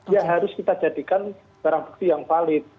ya harus kita jadikan barang bukti yang valid